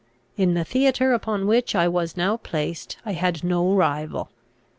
In the theatre upon which I was now placed I had no rival.